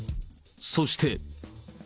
そして。